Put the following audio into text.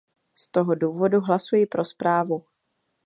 Z toho důvodu hlasuji pro zprávu.